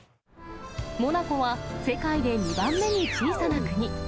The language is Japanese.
モナコは、世界で２番目に小さな国。